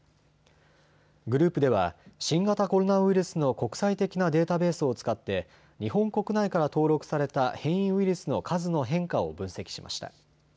グループでは新型コロナウイルスの国際的なデータベースを使って日本国内から登録された変異ウイルスの数の変化を分析しました。